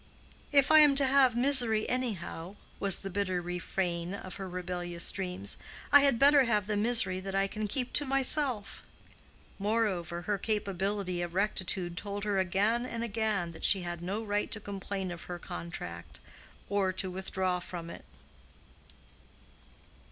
"If I am to have misery anyhow," was the bitter refrain of her rebellious dreams, "I had better have the misery that I can keep to myself." Moreover, her capability of rectitude told her again and again that she had no right to complain of her contract, or to withdraw from it.